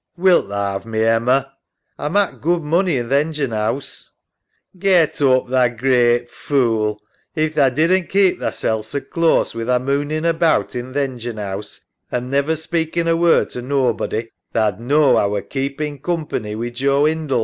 Wilt tha 'ave me, Emma? A mak' good money in th' engine house. EMMA. Get oop, tha great fool. If tha didn't keep thasel' so close wi' tha moonin' about in th' engine 'ouse an' never speakin' a word to nobody tha'd knaw A were keepin' coompany wi' Joe Hindle.